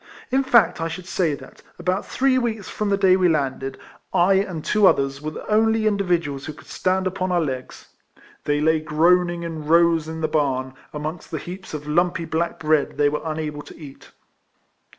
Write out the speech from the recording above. In fact I should say that, about three weeks from the RIFLEMAN HARRIS. 257 day we landed, T and two others were the only individuals who could stand upon our legs. They lay groaning in rows in the barn, amongst the heaps of lumpy black bread they were unable to eat.